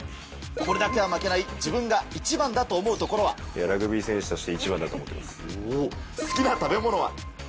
これだけは負けない、自分がラグビー選手として一番だと好きな食べ物は？